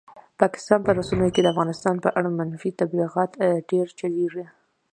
پاکستان په رسنیو کې د افغانستان په اړه منفي تبلیغات ډېر چلېږي.